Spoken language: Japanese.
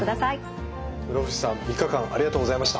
室伏さん３日間ありがとうございました。